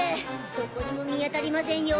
どこにも見当たりませんよ。